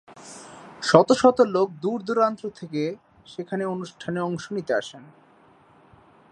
শত শত লোক দূর-দূরান্ত থেকে সেখানে অনুষ্ঠানে অংশ নিতে আসেন।